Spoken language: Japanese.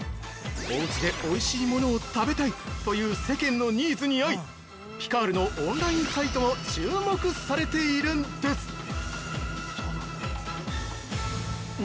おうちでおいしいものを食べたいという世間のニーズに合いピカールのオンラインサイトも注目されているんです！